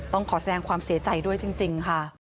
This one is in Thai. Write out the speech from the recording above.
ต้องขอแสดงความเสียใจด้วยจริงค่ะ